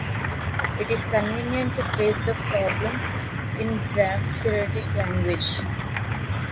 It is convenient to phrase the problem in graph-theoretic language.